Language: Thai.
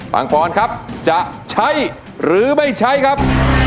ฟังควรครับจะใช่หรือไม่ใช่ครับ